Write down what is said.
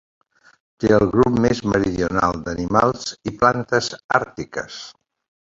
Té el grup més meridional d'animals i plantes àrtiques.